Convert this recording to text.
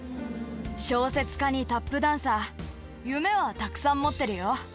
小説家にタップダンサー、夢はたくさん持ってるよ。